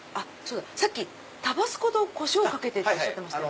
さっきタバスコとコショウっておっしゃってましたよね。